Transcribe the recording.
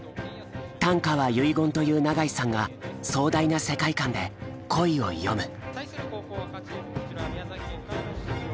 短歌は遺言という永井さんが壮大な世界観で恋を詠む。